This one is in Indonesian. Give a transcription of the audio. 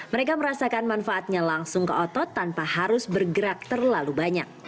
mereka merasakan manfaatnya langsung ke otot tanpa harus bergerak terlalu banyak